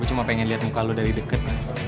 gue cuma pengen liat muka lo dari deket